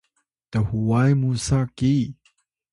thuway musa ki